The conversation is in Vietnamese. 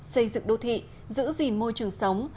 xây dựng đô thị giữ gìn môi trường sống